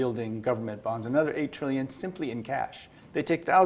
dalam uang pemerintah pribadi yang sangat rendah